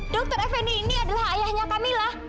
dokter fni ini adalah ayahnya kamila